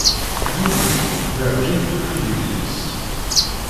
Guli werǧin tufi yelli-s.